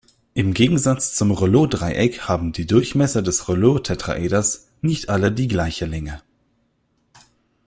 Im Gegensatz zum Reuleaux-Dreieck haben die Durchmesser des Reuleaux-Tetraeders nicht alle die gleiche Länge.